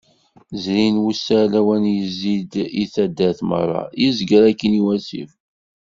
Zrin wussan awal yezzi-d i taddar, merra. Yezger akin i wasif.